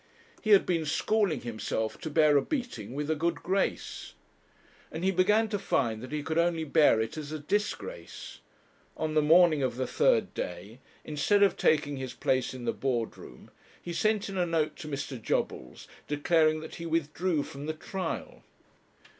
He had been schooling himself to bear a beating with a good grace, and he began to find that he could only bear it as a disgrace. On the morning of the third day, instead of taking his place in the Board room, he sent in a note to Mr. Jobbles, declaring that he withdrew from the trial.